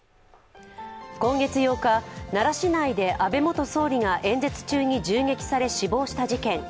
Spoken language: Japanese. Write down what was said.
今月８日、奈良市内で安倍元総理が演説中に銃撃され死亡した事件。